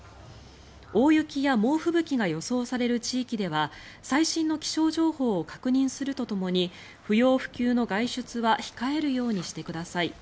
大雪や猛吹雪が予想される地域では最新の気象情報を確認するとともに不要不急の外出は控えるようにしてください。